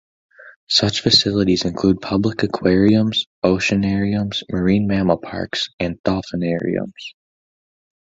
Such facilities include public aquariums, oceanariums, marine mammal parks, and dolphinariums.